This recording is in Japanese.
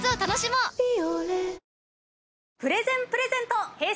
プレゼンプレゼントＨｅｙ！